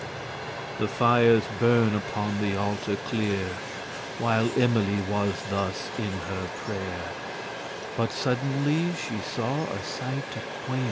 The fires burn upon the altar clear, While Emily was thus in her prayere: But suddenly she saw a sighte quaint*.